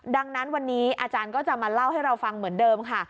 ดังนั้นวันนี้อาจารย์ก็จะมาเล่าให้เราฟังเหมือนเดิมค่ะ